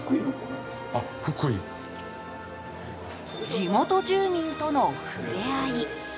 地元住民との触れ合い。